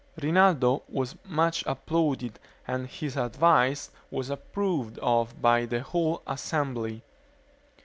Rinaldo was much applauded, and his advice was approved of by the whole assembly.